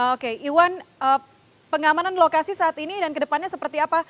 oke iwan pengamanan lokasi saat ini dan kedepannya seperti apa